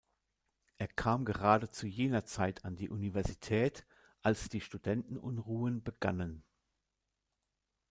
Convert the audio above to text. Er kam gerade zu jener Zeit an die Universität, als die Studentenunruhen begannen.